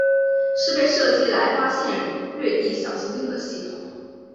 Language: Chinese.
是被设计来发现掠地小行星的系统。